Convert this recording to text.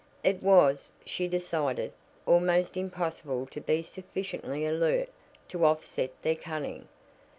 It was, she decided, almost impossible to be sufficiently alert to offset their cunning.